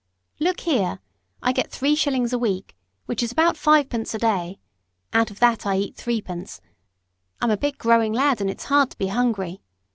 "Look here. I get three shillings a week, which is about fivepence a day; out of that I eat threepence I'm a big, growing lad, and it's hard to be hungry.